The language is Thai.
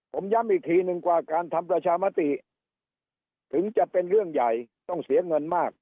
ผมย้ำอีกทีหนึ่งกว่าการทำประชามติถึงจะเป็นเรื่องใหญ่ต้องเสียเงินมาก